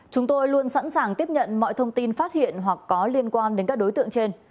chúng tôi luôn sẵn sàng tiếp nhận mọi thông tin phát hiện hoặc có liên quan đến các đối tượng trên